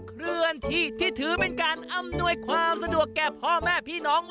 เคลื่อนที่ที่ถือเป็นการอำนวยความสะดวกแก่พ่อแม่พี่น้อง